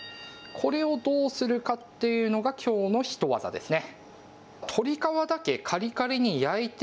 これをどうするかっていうのが、きょうのヒトワザですね。